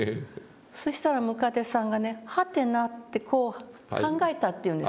そしたらムカデさんがね「はてな？」ってこう考えたっていうんです。